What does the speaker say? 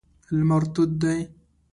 لمر تود دی.